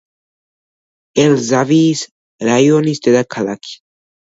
ელ-ზავიის რაიონის დედაქალაქი.